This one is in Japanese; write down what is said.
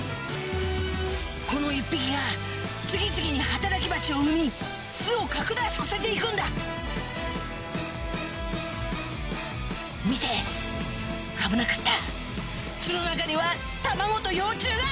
この１匹が次々に働きバチを産み巣を拡大させて行くんだ見て危なかった巣の中には卵と幼虫が！